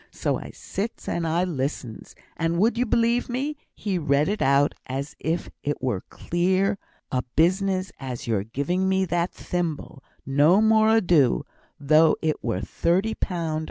So I sits and I listens. And would you belie' me, he read it out as if it were as clear a business as your giving me that thimble no more ado, though it were thirty pound!